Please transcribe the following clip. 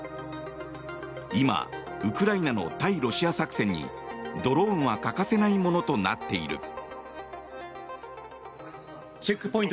今、ウクライナの対ロシア作戦にドローンは欠かせないものとなっている。